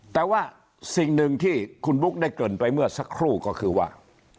แต่ว่าสิ่งหนึ่งที่คุณบุ๊คได้เกินไปเมื่อสักครู่ก็คือว่า